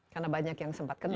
karena banyak yang sempat kena